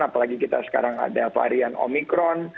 apalagi kita sekarang ada varian omikron